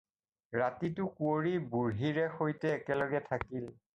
ৰাতিটো কুঁৱৰী বুঢ়ীৰে সৈতে একেলগে থাকিল।